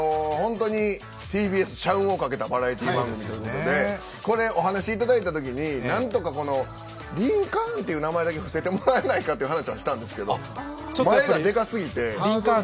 ＴＢＳ社運をかけたバラエティー番組ということで、これ、お話をいただいたときになんとか「リンカーン」という名前だけ伏せてもらえないかという話はしたんですけど前がでかすぎて。